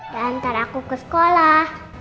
dan ntar aku ke sekolah